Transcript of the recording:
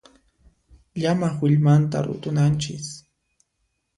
Llamaq willmanta rutunanchis.